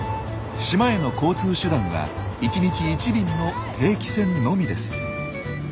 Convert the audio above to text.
島への交通手段は１日１便の定期船のみです。